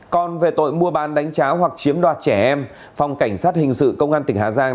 còn về tội mua bán đánh trá hoặc chiếm đoạt trẻ em phòng cảnh sát hình sự công an tỉnh hà giang